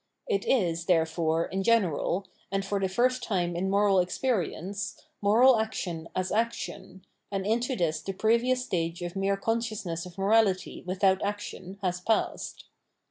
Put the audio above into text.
It is, therefore, in general, and for the first time in moral experience, moral action as action, and into this the previous stage of mere consciousness of morality with out action has passed.